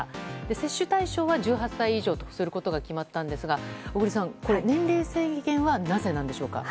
接種対象は１８歳以上とすることが決まったんですが小栗さん、年齢制限はなぜなんでしょうか。